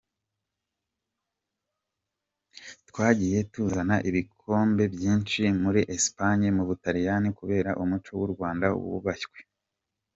Twagiye tuzana ibikombe byinshi muri Espagne ,mu Butaliyani,…kubera umuco w’u Rwanda wubashywe”.